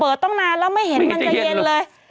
ต้องนานแล้วไม่เห็นมันจะเย็นเลย